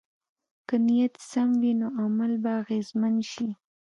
که نیت سم وي، نو عمل به اغېزمن شي.